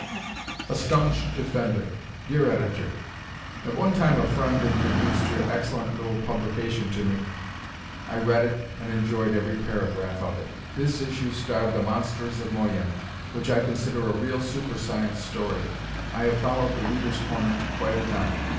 A Staunch Defender Dear Editor: At one time a friend introduced your excellent little publication to me. I read it and enjoyed every paragraph of it. This issue starred "The Monsters of Moyen," which I consider a real super science story. I have followed "The Readers' Corner" quite a time.